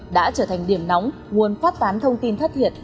đã trở thành điểm nóng nguồn phát tán thông tin thất thiệt